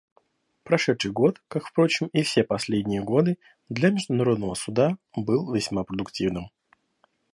Прошедший год, как, впрочем, и все последние годы, для Международного Суда был весьма продуктивным.